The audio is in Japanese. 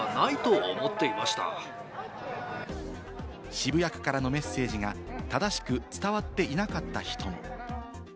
渋谷区からのメッセージが正しく伝わっていなかった人も。